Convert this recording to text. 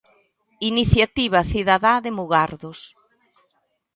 Iniciativa Cidadá de Mugardos.